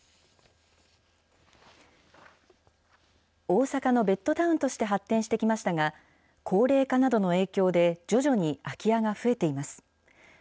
大阪のベッドタウンとして発展してきましたが、高齢化などの影響で、徐々に空き家が増えています。